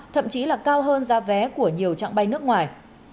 thậm chí là cao hơn giá vé của nhiều trạng bay nước ngoài